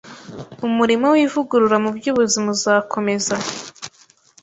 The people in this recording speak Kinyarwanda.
Umurimo w’ivugurura mu by’ubuzima uzakomeza